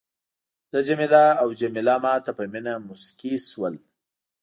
زه جميله او جميله ما ته په مینه مسکي شول.